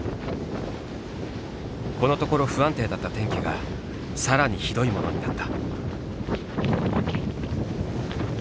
このところ不安定だった天気がさらにひどいものになった。